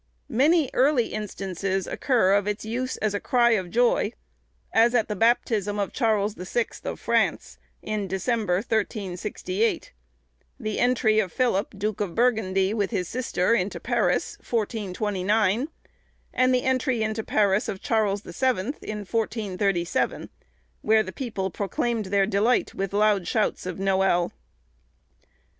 Many early instances occur of its use as a cry of joy; as at the baptism of Charles the Sixth, of France, in December, 1368; the entry of Philip, Duke of Burgundy, with his sister, into Paris, in 1429; and the entry into Paris of Charles the Seventh, in 1437, where the people proclaimed their delight with loud shouts of noël.